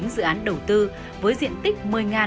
dự án đầu tư với diện tích